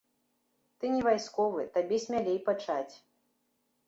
Ты не вайсковы, табе смялей пачаць.